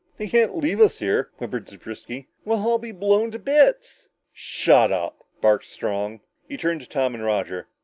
"They can't leave us here," whimpered Zewbriski. "We'll all be blown to bits!" "Shut up!" barked Strong. He turned to Tom and Roger.